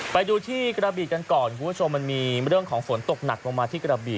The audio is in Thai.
ไปดูที่กระบีกันก่อนคุณผู้ชมมันมีเรื่องของฝนตกหนักลงมาที่กระบี่